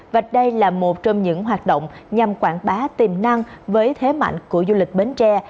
và đây là một trong những hoạt động nhằm quảng bá tiềm năng với thế mạnh của du lịch bến tre